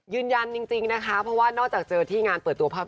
ยืนยันจริงนะคะเพราะว่านอกจากเจอกัน